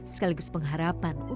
selamat ulang tahun di